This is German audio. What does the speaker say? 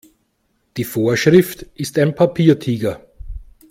Die Vorschrift ist ein Papiertiger.